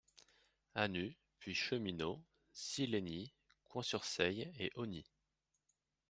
Hanus, puis Cheminot, Sillegny, Coin-sur-Seille et Augny.